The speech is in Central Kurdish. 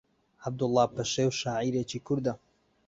عەبدوڵڵا پەشێو شاعیرێکی کوردە